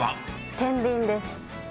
てんびんです。